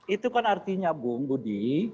itu kan artinya bung budi